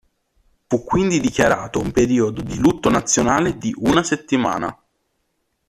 Fu quindi dichiarato un periodo di lutto nazionale di una settimana.